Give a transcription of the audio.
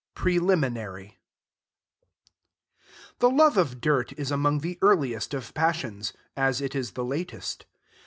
PRELIMINARY The love of dirt is among the earliest of passions, as it is the latest.